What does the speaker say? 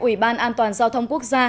ủy ban an toàn giao thông quốc gia